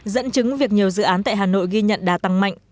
dẫn chứng việc nhiều dự án tại hà nội ghi nhận đá tăng mạnh